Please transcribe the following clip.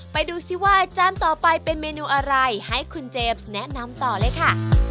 ไปดูซิว่าจานต่อไปเป็นเมนูอะไรให้คุณเจมส์แนะนำต่อเลยค่ะ